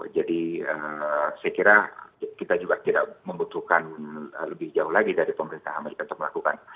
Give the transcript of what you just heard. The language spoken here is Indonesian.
jadi saya kira kita juga tidak membutuhkan lebih jauh lagi dari pemerintahan amerika untuk melakukan